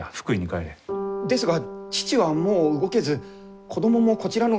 ですが父はもう動けず子供もこちらの学校に！